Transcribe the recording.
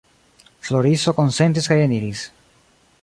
Floriso konsentis kaj eniris.